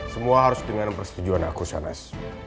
semua harus dengan persetujuan aku sanas